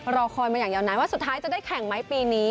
รอคอยมาอย่างยาวนานว่าสุดท้ายจะได้แข่งไหมปีนี้